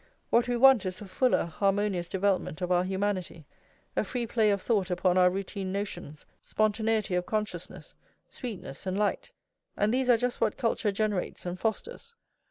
What we want is a fuller harmonious development of our humanity, a free play of thought upon our routine notions, spontaneity of consciousness, sweetness and light; and these are just what culture generates and fosters.